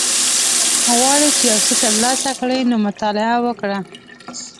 غواړی چی یوڅه تر لاسه کړی نو مطالعه وکړه